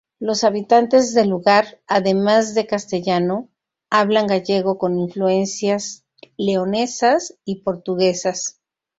Los habitantes del lugar, además de castellano, hablan gallego con influencias leonesas y portuguesas.